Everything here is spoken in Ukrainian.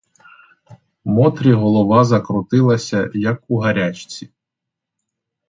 Мотрі голова закрутилася, як у гарячці.